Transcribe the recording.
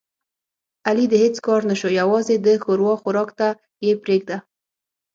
علي د هېڅ کار نشو یووازې د ښوروا خوراک ته یې پرېږده.